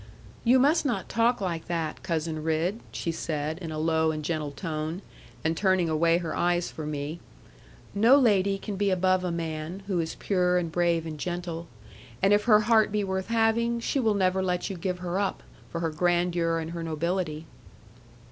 'You must not talk like that, Cousin Ridd,' she said, in a low and gentle tone, and turning away her eyes from me; 'no lady can be above a man, who is pure, and brave, and gentle. And if her heart be worth having, she will never let you give her up, for her grandeur, and her nobility.'